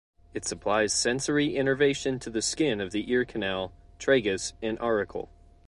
It supplies sensory innervation to the skin of the ear canal, tragus, and auricle.